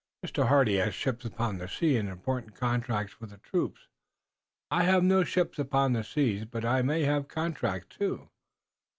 "Master Hardy has ships upon the seas, and important contracts for the troops." "I have no ships upon the seas, but I may have contracts, too."